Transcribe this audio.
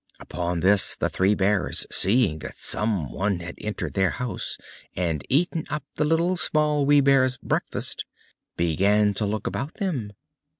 Upon this the Three Bears, seeing that someone had entered their house, and eaten up the Little, Small, Wee Bear's breakfast, began to look about them.